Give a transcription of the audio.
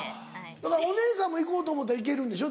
だからお姉さんも行こうと思ったら行けるんでしょ？